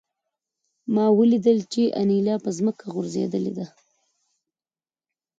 ما ولیدل چې انیلا په ځمکه غورځېدلې ده